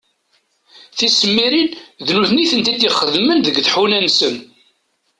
Tisemmirin d nutni i tent-id-ixeddmen deg tḥuna-nsen.